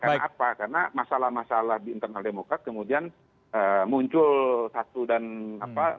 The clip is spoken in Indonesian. karena apa karena masalah masalah di internal demokrasi kemudian muncul satu dan apa